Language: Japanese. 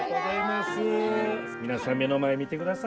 皆さん目の前見てください。